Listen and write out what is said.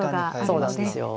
そうなんですよ。